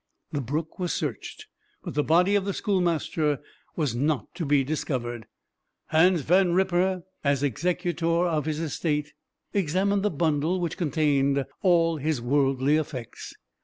The brook was searched, but the body of the schoolmaster was not to be discovered. Hans Van Ripper, as executor of his estate, examined the bundle which contained all his worldly effects.